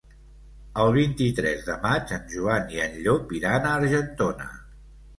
El vint-i-tres de maig en Joan i en Llop iran a Argentona.